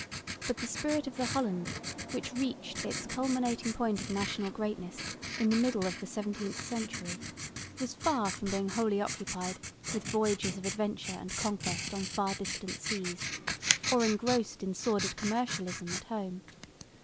But the spirit of the Holland, which reached its culminating point of national greatness in the middle of the 17th century, was far from being wholly occupied with voyages of adventure and conquest on far distant seas, or engrossed in sordid commercialism at home.